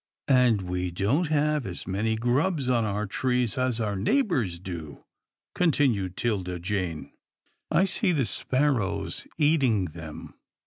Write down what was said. " And we don't have as many grubs on our trees as our neighbours do," continued 'Tilda Jane. I see the sparrows eating them."